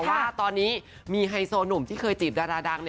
ว่าตอนนี้มีไฮโซหนุ่มที่เคยจีบดาราดัง